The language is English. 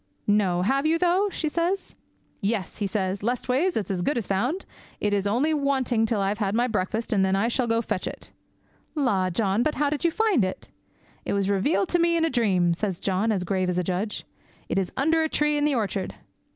"No, have you, though?" says she. "Yes," says he; "leastways, it is as good as found; it is only waiting till I've had my breakfast, and then I'll go out and fetch it in!" "La, John, but how did you find it!" "It was revealed to me in a dream," says John, as grave as a judge; "it is under a tree in the orchard."